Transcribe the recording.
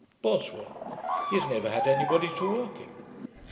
BOSWELL. 'He has never had any body to work him.'